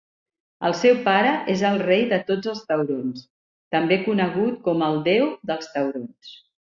El seu pare és el "Rei de tots els taurons", també conegut com el "Déu dels taurons".